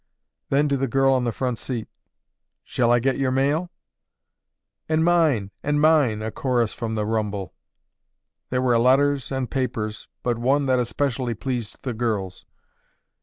Then to the girl on the front seat, "Shall I get your mail?" "And mine! And mine!" a chorus from the rumble. There were letters and papers but one that especially pleased the girls.